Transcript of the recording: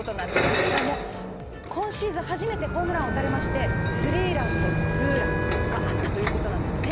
しかも今シーズン初めてホームランを打たれましてスリーランとツーランがあったということなんですね。